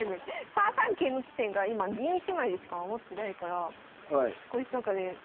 ３三桂の地点が今銀１枚でしか守ってないからこれなんかね私飛車と。